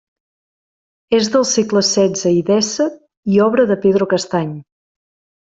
És del segle setze i dèsset i obra de Pedro Castany.